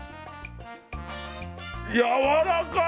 やわらかい！